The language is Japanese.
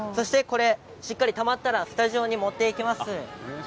しっかりたまったらスタジオに持っていきます。